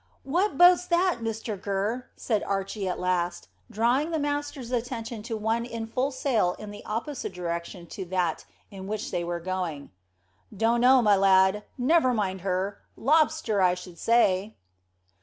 "What boat's that, Mr Gurr?" said Archy at last, drawing the master's attention to one in full sail in the opposite direction to that in which they were going. "Dunno, my lad. Never mind her. Lobster, I should say."